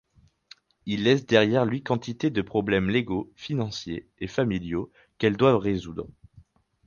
Il laisse derrière lui quantité de problèmes légaux, financiers et familiaux qu'elles doivent résoudre.